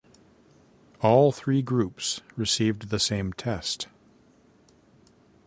All three groups received the same test.